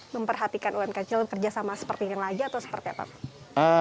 memperhatikan umkm kerjasama seperti yang lain atau seperti apa